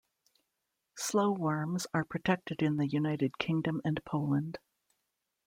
Slowworms are protected in the United Kingdom and Poland.